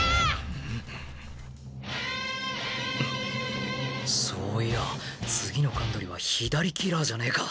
心の声そういや次の関鳥は左キラーじゃねえか！